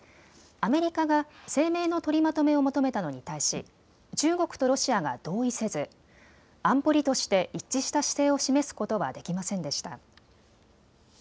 アメリカが声明の取りまとめを求めたのに対し中国とロシアが同意せず安保理として一致した姿勢を示すことはできませんでした。